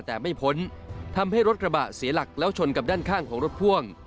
แต่ไม่พ้นทำให้รถกระบะเสียหลักแล้วชนกับด้านข้างของรถพ่วง